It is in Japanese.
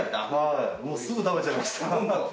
すぐ食べちゃいました。